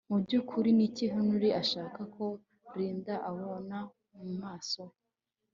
mu byukuri niki Henry ashaka ko Linda abona mu maso he